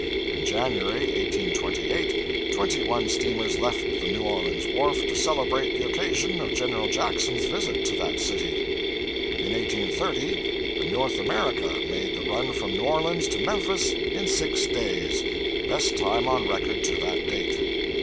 'In January, 1828, twenty one steamers left the New Orleans wharf to celebrate the occasion of Gen. Jackson's visit to that city. 'In 1830 the "North American" made the run from New Orleans to Memphis in six days best time on record to that date.